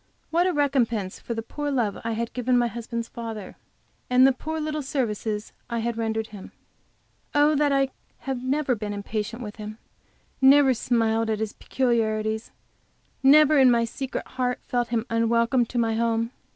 What a recompense for the poor love I had given my husband's father, and the poor little services I had rendered him! Oh, that I had never been impatient with him, never smiled at his peculiarities, never in my secret heart felt him unwelcome to my home!